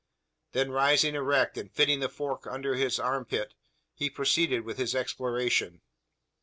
Then rising erect, and fitting the fork into his armpit, he proceeded with his exploration.